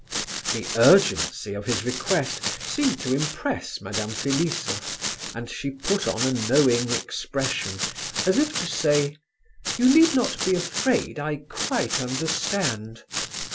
The urgency of his request seemed to impress Madame Filisoff, and she put on a knowing expression, as if to say, "You need not be afraid, I quite understand."